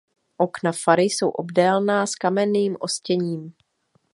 Okna fary jsou obdélná s kamenným ostěním.